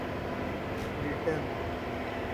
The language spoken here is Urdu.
بریٹن